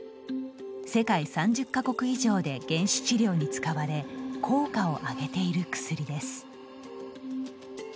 世界３０か国以上で減酒治療に使われ効果を上げている薬です。